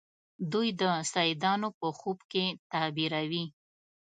دوی د سیدانو په خوب کې تعبیروي.